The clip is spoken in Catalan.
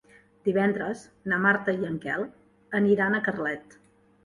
Divendres na Marta i en Quel aniran a Carlet.